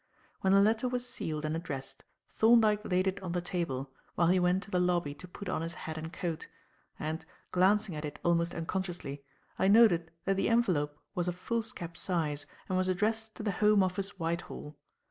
When the letter was sealed and addressed, Thorndyke laid it on the table while he went to the lobby to put on his hat and coat, and, glancing at it almost unconsciously, I noted that the envelope was of foolscap size and was addressed to the Home Office, Whitehall.